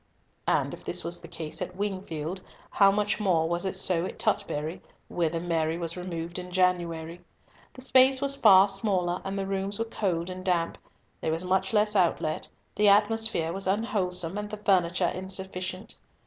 And if this was the case at Wingfield, how much more was it so at Tutbury, whither Mary was removed in January. The space was far smaller, and the rooms were cold and damp; there was much less outlet, the atmosphere was unwholesome, and the furniture insufficient.